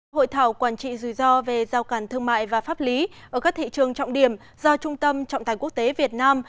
hội thảo quản trị rủi ro về giao cản thương mại và pháp lý ở các thị trường trọng điểm do trung tâm trọng tài quốc tế việt nam